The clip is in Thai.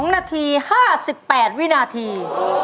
๒นาที๕๘วินาที